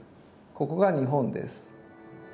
ここが日本です。